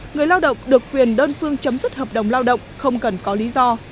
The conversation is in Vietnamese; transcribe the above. người lao động được quyền đơn phương chấm dứt hợp đồng lao động không cần có lý do